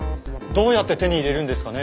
どうやって手に入れるんですかね